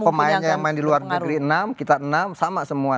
pemainnya yang main di luar negeri enam kita enam sama semua